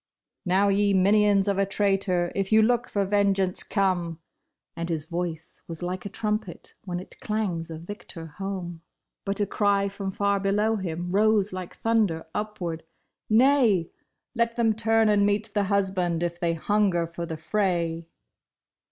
" Now ye minions of a traitor if you look for ven geance, come !" And his voice was like a trumpet when it clangs a victor home. THE DEFENCE OF THE BRIDE. y But a cry from far below him rose like thunder up ward, " Nay ! Let them turn and meet the husband if they hunger for the fray